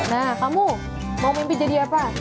nah kamu mau mimpi jadi apa